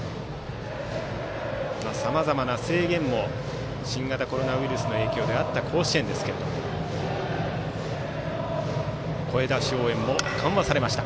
さまざまな制限も新型コロナウイルスの影響であった甲子園ですが声出し応援も緩和されました。